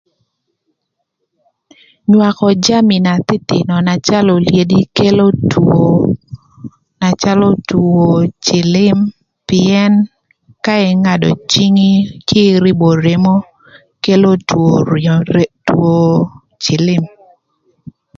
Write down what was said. Nywakö jami na thïthïnö na calö olyedi kelo two na calö two cïlïm pïën ka ïngadö cïngi cë ïrïbö remo kelo two cïlïm.